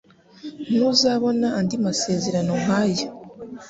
Ntuzabona andi masezerano nkaya